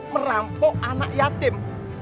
merampok anak yatim